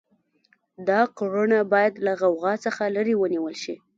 دا کړنه باید له غوغا څخه لرې ونیول شي.